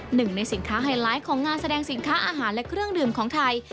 หนึ่งในสินค้าไฮไลท์ของงานแสดงสินค้าอาหารและเครื่องดื่มของไทย